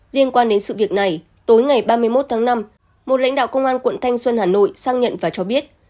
liên quan đến sự việc này tối ngày ba mươi một tháng năm một lãnh đạo công an quận thanh xuân hà nội sang nhận và cho biết